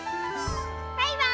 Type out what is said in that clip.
バイバーイ！